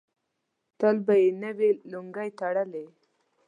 تل به یې نوې لونګۍ تړلې.